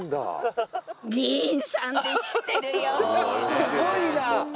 すごいな。